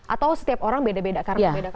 atau setiap orang beda beda karena berbeda kasus